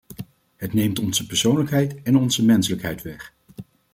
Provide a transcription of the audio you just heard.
Het neemt onze persoonlijkheid en onze menselijkheid weg.